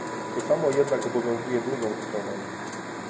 To samo jednak obowiązuje drugą stronę